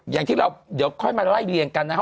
อย่างที่เราจะละเลียนกันนะครับ